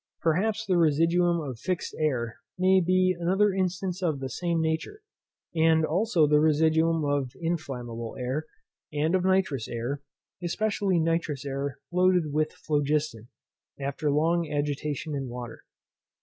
Perhaps the residuum of fixed air may be another instance of the same nature, and also the residuum of inflammable air, and of nitrous air, especially nitrous air loaded with phlogiston, after long agitation in water.